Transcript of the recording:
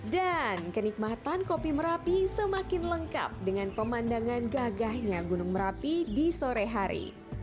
dan kenikmatan kopi merapi semakin lengkap dengan pemandangan gagahnya gunung merapi di sore hari